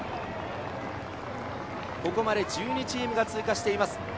ここまで１２チームが通過しています。